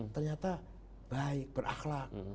ternyata baik berakhlak